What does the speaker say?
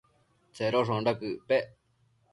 Tsedoshonda quëc pec?